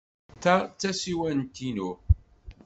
Ta d tasiwant-inu.